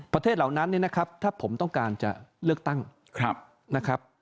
เหล่านั้นเนี่ยนะครับถ้าผมต้องการจะเลือกตั้งนะครับ